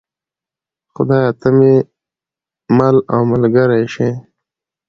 خدایه ته مې مل او ملګری شې.